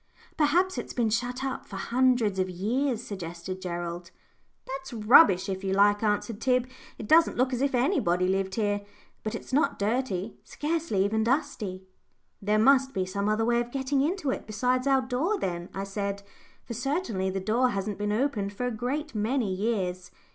"Perhaps it's been shut up for hundreds of years," suggested Gerald. "That's rubbish, if you like," answered Tib. "It doesn't look as if anybody lived here, but it's not dirty scarcely even dusty." "There must be some other way of getting into it besides our door, then," I said, "for certainly the door hasn't been opened for a great many years.